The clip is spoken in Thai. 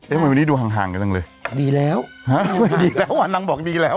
เอ๊ะมันวันนี้ดูห่างกันตั้งเลยดีแล้วดีแล้วนางบอกดีแล้ว